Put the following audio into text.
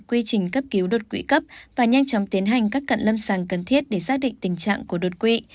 quy trình cấp cứu đột quỵ cấp và nhanh chóng tiến hành các cận lâm sàng cần thiết để xác định tình trạng của đột quỵ